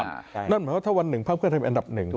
นั่นหมายถึงว่าถ้าวันหนึ่งภาคเพื่อไทยเป็นอันดับหนึ่ง